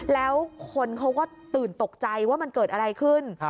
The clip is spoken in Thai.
แล้วคนเขาก็ตื่นตกใจว่ามันเกิดอะไรขึ้น